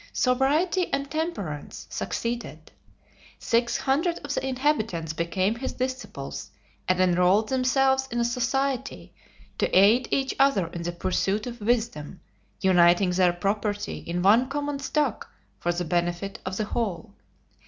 Sobriety and temperance succeeded. Six hundred of the inhabitants became his disciples and enrolled themselves in a society to aid each other in the pursuit of wisdom, uniting their property in one common stock for the benefit of the whole.